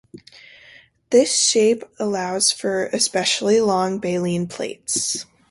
This shape allows for especially long baleen plates.